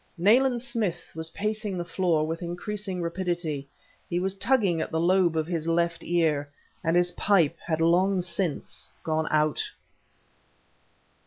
Nayland Smith was pacing the floor with increasing rapidity; he was tugging at the lobe of his left ear and his pipe had long since gone out.